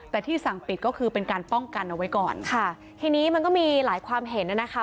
แต่ที่สั่งปิดก็คือเป็นการป้องกันเอาไว้ก่อนค่ะทีนี้มันก็มีหลายความเห็นน่ะนะคะ